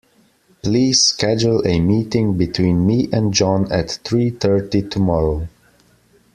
Please schedule a meeting between me and John at three thirty tomorrow.